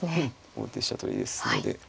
王手飛車取りですので。